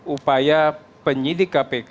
upaya penyidik kpk